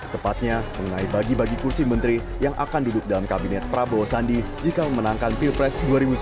tepatnya mengenai bagi bagi kursi menteri yang akan duduk dalam kabinet prabowo sandi jika memenangkan pilpres dua ribu sembilan belas